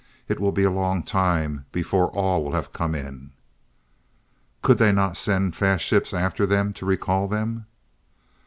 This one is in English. It will be a long time before all will have come in." "Could they not send fast ships after them to recall them?"